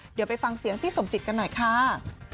เดี๋ยวไปฟังเสียงพี่สมจิตกันหน่อยค่ะ